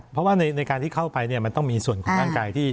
เพราะว่าในการที่เข้าไปมันต้องมีส่วนของร่างกายที่